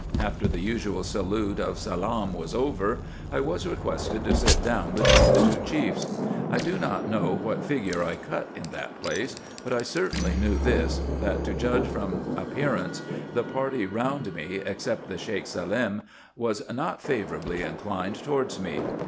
After the usual salute of salame was over, I was requested to sit down between the two chiefs. I do not know what figure I cut in that place, but I certainly knew this, that to judge from appearance, the party round me, except the Sheik Salem, was not favourably inclined towards me.